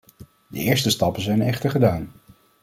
De eerste stappen zijn echter gedaan.